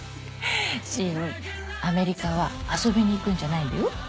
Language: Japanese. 芯アメリカは遊びに行くんじゃないんだよ？